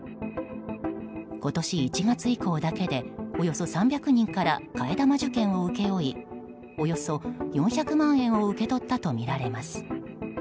今年１月以降だけでおよそ３００人から替え玉受験を請け負いおよそ４００万円を受け取ったとみられます。